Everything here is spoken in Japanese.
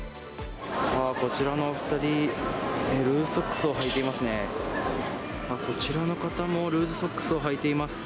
こちらのお２人、ルーズソックスをはいていますね。